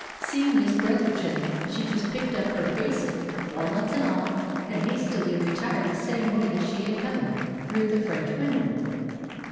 Seeing Miss Bretherton, she just picked up her basin, walnuts and all, and hastily retired the same way that she had come, through the French window.